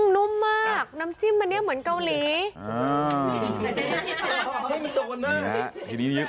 นุ่มมากน้ำจิ้มอันนี้เหมือนเกาหลี